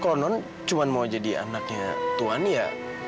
kalau non cuma mau jadi anaknya tuhan ya